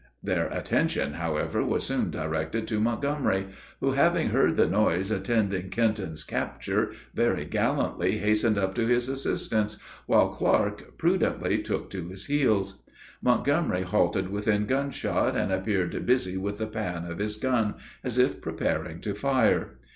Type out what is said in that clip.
Their attention, however, was soon directed to Montgomery, who, having heard the noise attending Kenton's capture, very gallantly hastened up to his assistance, while Clark prudently took to his heels. Montgomery halted within gunshot, and appeared busy with the pan of his gun, as if preparing to fire.